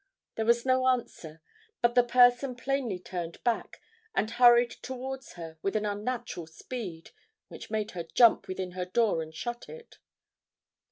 There was no answer, but the person plainly turned back, and hurried towards her with an unnatural speed, which made her jump within her door and shut it.